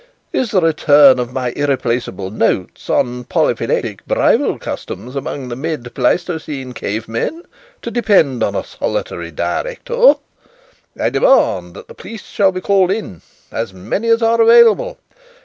Is the return of my irreplaceable notes on 'Polyphyletic Bridal Customs among the mid Pleistocene Cave Men' to depend on a solitary director? I demand that the police shall be called in as many as are available.